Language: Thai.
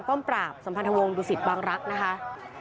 ้มปราบสัมพันธวงศิษฐบางรักษ์นะคะ